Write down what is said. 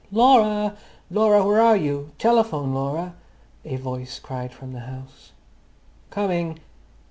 "Laura, Laura, where are you? Telephone, Laura!" a voice cried from the house. "Coming!"